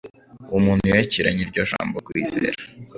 Uwo muntu yakiranye iryo jambo kwizera.